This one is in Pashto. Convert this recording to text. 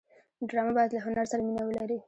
ډرامه باید له هنر سره مینه ولري